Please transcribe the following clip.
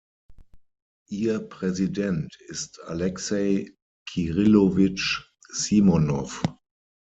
Ihr Präsident ist Alexei Kirillowitsch Simonow.